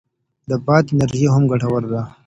د باد انرژي هم ګټوره ده.